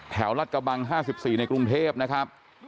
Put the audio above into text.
รัฐกระบัง๕๔ในกรุงเทพนะครับ